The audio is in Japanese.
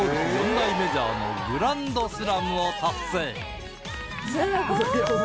大メジャーのグランドスラムを達成